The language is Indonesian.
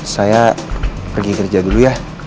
saya pergi kerja dulu ya